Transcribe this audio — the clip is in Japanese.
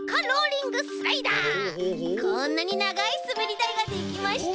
こんなにながいすべりだいができました！